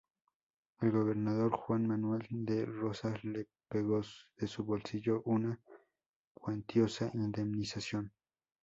El gobernador Juan Manuel de Rosas le pagó de su bolsillo una cuantiosa indemnización.